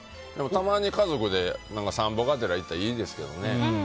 たまに家族で散歩がてら行ったらいいですけどね。